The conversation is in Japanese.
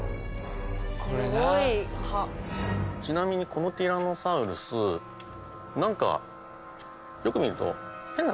ちなみにこのティラノサウルス何かよく見ると変な格好してません？